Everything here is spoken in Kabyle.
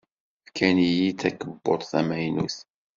Fkan-iyi-d takebbuḍt tamaynut.